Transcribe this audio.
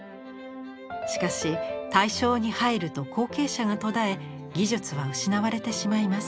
しかし大正に入ると後継者が途絶え技術は失われてしまいます。